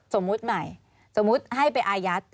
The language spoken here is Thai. สมมุตไม่สมมุตให้เรือนไปอายัด